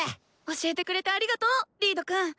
教えてくれてありがとうリードくん！